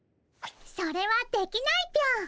それはできないぴょん。